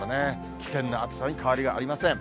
危険な暑さに変わりはありません。